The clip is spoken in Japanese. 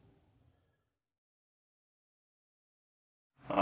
あ。